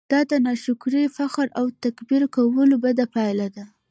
دا د ناشکرۍ، فخر او تکبير کولو بده پايله ده!